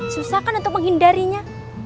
susah kan untuk menghindarinya